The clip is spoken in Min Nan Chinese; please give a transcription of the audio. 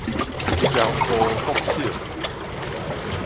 雙湖國小